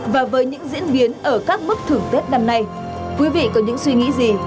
và với những diễn biến ở các mức thưởng tết năm nay quý vị có những suy nghĩ gì